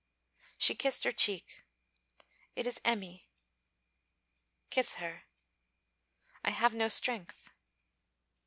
She kissed her cheek. 'It is Emmy.' 'Kiss her.' 'I have no strength.'